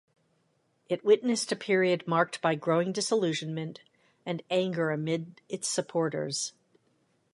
It witnessed a period marked by growing disillusionment and anger amid its supporters.